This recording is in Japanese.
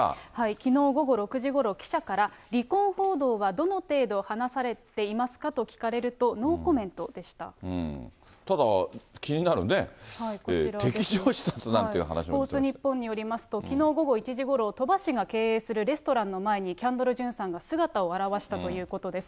きのう午後６時ごろ、記者から、離婚報道はどの程度話されていますか？と聞かれると、ノーコメンただ、気になる、スポーツニッポンによりますと、きのう午後１時ごろ、鳥羽氏が経営するレストランの前に、キャンドル・ジュンさんが姿を現したということです。